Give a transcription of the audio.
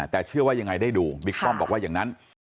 แต่เชื่อว่ายังไงได้ดูบิ๊กป้อมบอกว่าอย่างนั้น